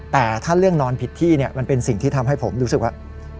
แต่ถ้าเรื่องนอนผิดที่เนี่ยมันเป็นสิ่งที่ทำให้ผมรู้สึกว่า